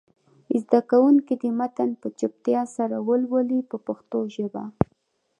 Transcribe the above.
زده کوونکي دې متن په چوپتیا سره ولولي په پښتو ژبه.